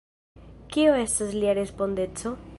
Kio estas lia respondeco?